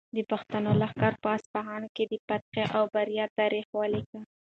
د پښتنو لښکر په اصفهان کې د فتحې او بریا تاریخ ولیکه.